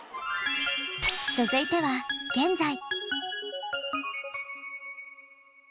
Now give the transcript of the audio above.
続いては現在。